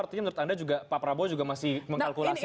artinya menurut anda juga pak prabowo juga masih mengkalkulasi